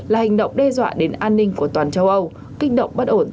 là hành động đe dọa đến an ninh của toàn châu âu kích động bất ổn tại khu vực này